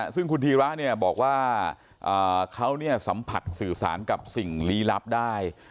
ซึ่งคุณธีระบอกว่าเขาสัมผัสสื่อสารกับสิ่งลี้ลับได้